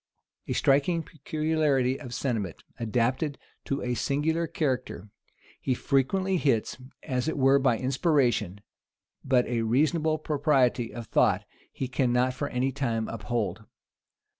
A striking peculiarity of sentiment adapted to a singular character, he frequently hits, as it were by inspiration; but a reasonable propriety of thought he cannot for any time uphold.